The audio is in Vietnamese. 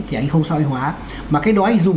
thì anh không xã hội hóa mà cái đó anh dùng